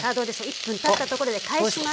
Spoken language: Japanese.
１分たったところで返します。